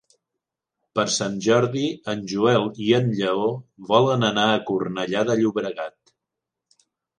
Per Sant Jordi en Joel i en Lleó volen anar a Cornellà de Llobregat.